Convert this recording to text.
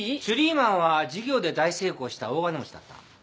シュリーマンは事業で大成功した大金持ちだった。